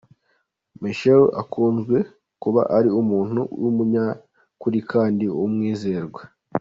Michel akunze kuba ari umuntu w’umunyakuri kandi w’umwizerwa.